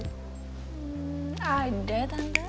hmm ada tante